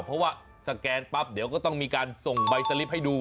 เพราะว่าสแกนปั๊บเดี๋ยวก็ต้องมีการส่งใบสลิปให้ดู